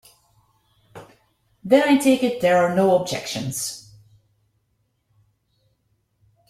Then I take it there are no objections.